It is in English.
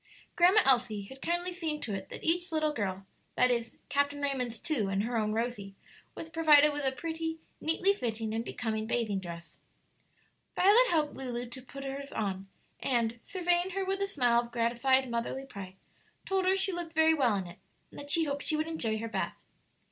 Grandma Elsie had kindly seen to it that each little girl that is, Captain Raymond's two and her own Rosie was provided with a pretty, neatly fitting, and becoming bathing dress. Violet helped Lulu to put her's on, and, surveying her with a smile of gratified motherly pride, told her she looked very well in it, and that she hoped she would enjoy her bath.